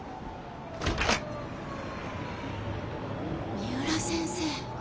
三浦先生。